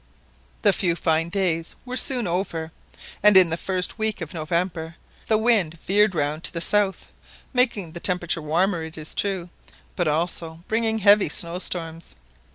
The few fine days were soon over, and in the first week of November the wind veered round to the south, making the temperature warmer, it is true, but also bringing heavy snow storms.